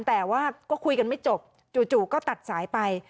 แต่ว่าก็คุยกันไม่จบจู่ก็ตัดสายไป